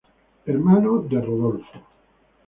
Hermano de Rodolfo.